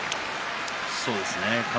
そうですね。